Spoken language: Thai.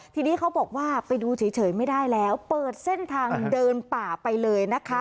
ทีนี้เขาบอกว่าไปดูเฉยไม่ได้แล้วเปิดเส้นทางเดินป่าไปเลยนะคะ